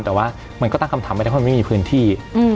แต่ว่ามันก็ตั้งคำถามไปแต่ว่ามันไม่มีพื้นที่